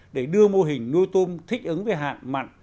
để đưa mô hình nuôi tôm thích ứng với hạn mặn